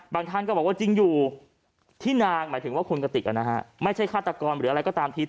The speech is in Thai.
ท่านก็บอกว่าจริงอยู่ที่นางหมายถึงว่าคุณกติกไม่ใช่ฆาตกรหรืออะไรก็ตามที